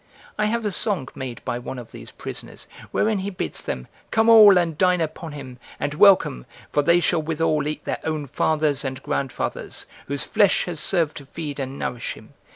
I have a song made by one of these prisoners, wherein he bids them "come all, and dine upon him, and welcome, for they shall withal eat their own fathers and grandfathers, whose flesh has served to feed and nourish him.